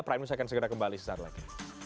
prime news akan segera kembali sesaat lagi